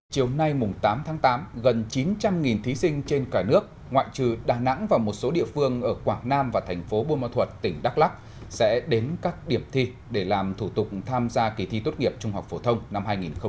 chiều nay tám tháng tám gần chín trăm linh thí sinh trên cả nước ngoại trừ đà nẵng và một số địa phương ở quảng nam và thành phố buôn ma thuật tỉnh đắk lắc sẽ đến các điểm thi để làm thủ tục tham gia kỳ thi tốt nghiệp trung học phổ thông năm hai nghìn hai mươi